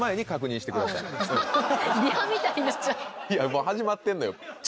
もう始まってんのよ。